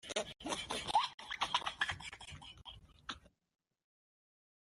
Luchó contra Denikin y Wrangel en Crimea, en el frente sur.